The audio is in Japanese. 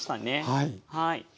はい。